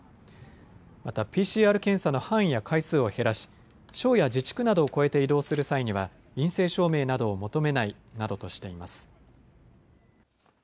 またＰＣＲ検査の範囲や回数を減らし、省や自治区などを越えて移動する際には陰性証明などを求めないなどとしています。